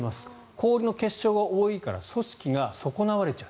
氷の結晶が多いから組織が損なわれちゃう。